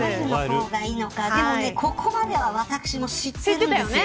でも、ここまでは私も知ってるんですよ。